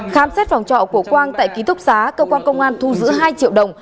khám xét phòng trọ của quang tại ký túc xá cơ quan công an thu giữ hai triệu đồng